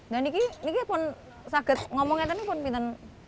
dan niki pun sakit ngomongnya tadi pun